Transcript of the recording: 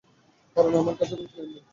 কারণ আমার কাছে কোনো প্ল্যান নেই।